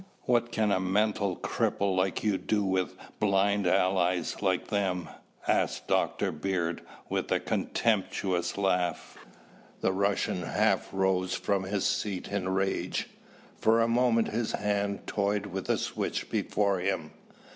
"What can a mental cripple like you do with blind allies like them?" asked Dr. Bird with a contemptuous laugh. The Russian half rose from his seat in rage. For a moment his hand toyed with a switch before him.